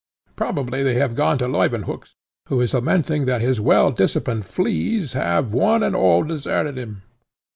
Probably they have gone to Leuwenhock's, who is lamenting that his well disciplined fleas have, one and all, deserted him."